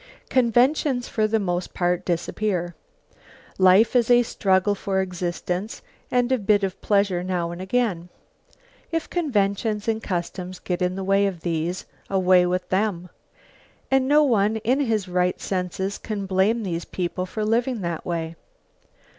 Conventions for the most part disappear. Life is a struggle for existence and a bit of pleasure now and again. If conventions and customs get in the way of these, away with them. And no one in his right senses can blame these people for living that way.